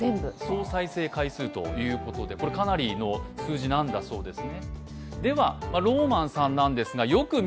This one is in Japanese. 総再生回数ということで、これ、かなりの数字なんだそうです